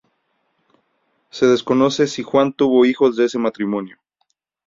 Se desconoce si Juan tuvo hijos de este matrimonio.